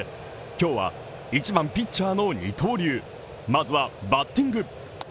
今日は１番・ピッチャーの二刀流まずはバッティング。